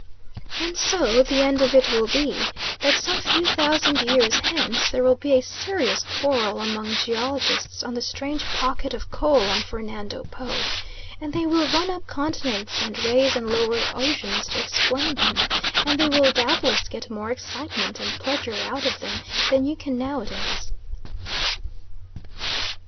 And so the end of it will be that some few thousand years hence there will be a serious quarrel among geologists on the strange pocket of coal on Fernando Po, and they will run up continents, and raise and lower oceans to explain them, and they will doubtless get more excitement and pleasure out of them than you can nowadays.